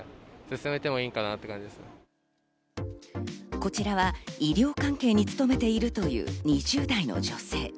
こちらは医療関係に勤めているという２０代の女性。